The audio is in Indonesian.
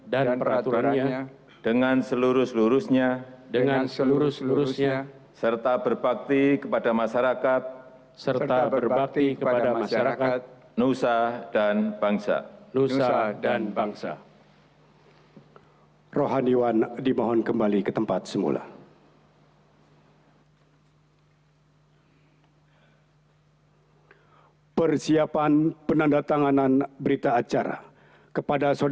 dengan seluruh seluruhnya serta berbakti kepada masyarakat nusa dan bangsa